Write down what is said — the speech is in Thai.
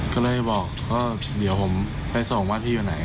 ก็เลยบอกก็เดี๋ยวผมไปส่งว่าพี่อยู่ไหน